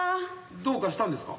どうかしたんですか？